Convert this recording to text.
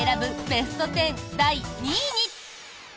ベスト１０第２位に！